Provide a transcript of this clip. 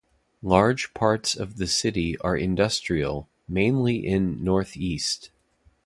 Large parts of the city are industrial, mainly in north-east.